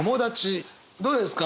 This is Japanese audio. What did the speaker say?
どうですか？